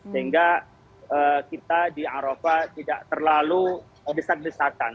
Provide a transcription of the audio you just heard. sehingga kita di arofa tidak terlalu desak desakan